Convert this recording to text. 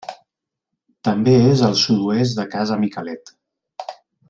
També és al sud-oest de Casa Miquelet.